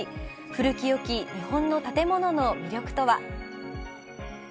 古きよき日本の建物の魅力とは。